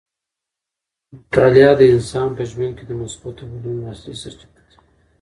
مطالعه د انسان په ژوند کې د مثبتو بدلونونو اصلي سرچینه ده.